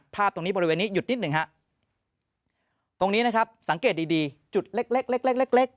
ภาพตรงนี้บริเวณนี้หยุดนิดนึงครับตรงนี้นะครับสังเกตดีจุดเล็ก